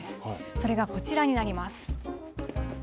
それがこちらになります。